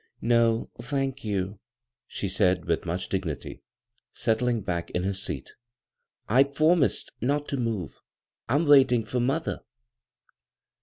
" No, thank you," she said with much dig> nity, settling back in her seat " I pwomised not to move. I'm waiting for mother."